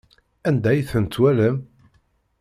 Anda ay ten-twalam?